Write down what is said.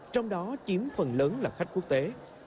trong đó chiếm phần lớn là khách quốc tế